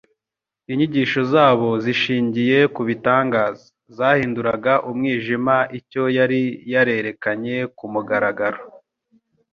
Inyigisho zabo zishingiye ku bitangaza, zahinduraga umwijima icyo yari yarerekanye ku mugaragaro.